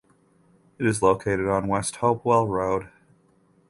It is located on West Hopewell Rd.